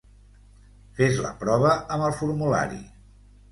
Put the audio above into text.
Fes la prova amb el formulari.